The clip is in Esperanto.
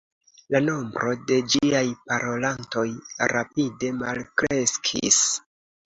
La nombro de ĝiaj parolantoj rapide malkreskis.